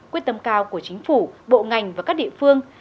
quyết tâm cao của chính phủ bộ ngành và các địa phương